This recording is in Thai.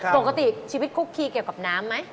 ปกติชีวิตคุกคีเกี่ยวกับน้ำไหม